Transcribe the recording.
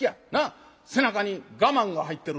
背中に我慢が入ってる。